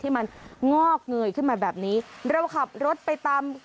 ที่มันงอกเงยขึ้นมาแบบนี้เราขับรถไปตาม